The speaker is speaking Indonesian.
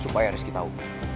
supaya rizky tau